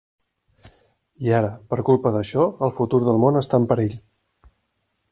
I ara, per culpa d'això, el futur del món està en perill.